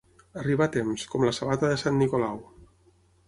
Arribar a temps, com la sabata de sant Nicolau.